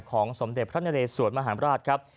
ของสมเด็จพระทะเลสวรรคัมภาษาถามราชครับ